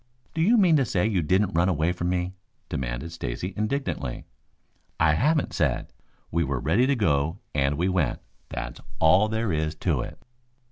"Do you mean to say you didn't run away from me?" demanded Stacy indignantly. "I haven't said. We were ready to go and we went, that's all there is to it."